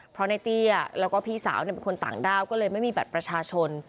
เพราะในเตี้ยแล้วก็พี่สาวเป็นคนต่างด้าวก็เลยไม่มีบัตรประชาชน